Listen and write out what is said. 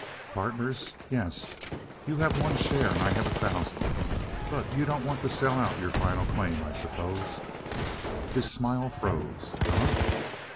"Partners, yes. You have one share and I have a thousand. But you don't want to sell out your final claim, I suppose?" His smile froze. "Eh?"